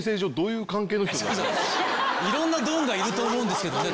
いろんなドンがいると思うんですけどね